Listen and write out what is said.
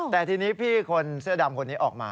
แต่ทีนี้พี่คนเสื้อดำคนนี้ออกมา